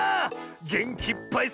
げんきいっぱい